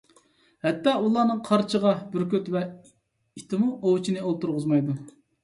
ھەتتا ئۇلارنىڭ قارچىغا، بۈركۈت ۋە ئىتىمۇ ئوۋچىنى ئولتۇرغۇزمايدۇ.